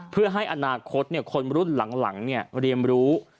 เพื่อให้อนาคตคนรุ่นหลังเรียนรู้